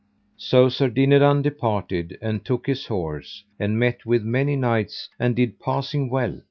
So Sir Dinadan departed and took his horse, and met with many knights, and did passing well.